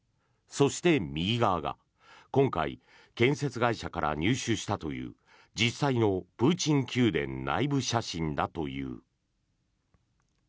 そして、右側が今回建設会社から入手したという実際のプーチン宮殿内部写真だという。